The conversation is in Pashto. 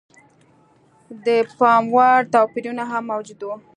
د پاموړ توپیرونه هم موجود و.